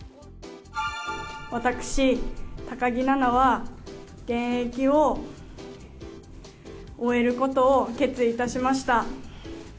私、高木菜那は現役を終えることを決意致しました。